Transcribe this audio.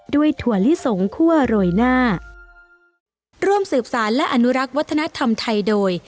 ถั่วลิสงคั่วโรยหน้าร่วมสืบสารและอนุรักษ์วัฒนธรรมไทยโดย